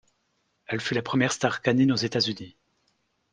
Elle fut la première star canine aux États-Unis.